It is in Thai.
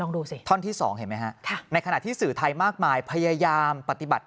ดูสิท่อนที่สองเห็นไหมฮะในขณะที่สื่อไทยมากมายพยายามปฏิบัติ